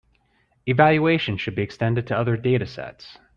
Evaluation should be extended to other datasets.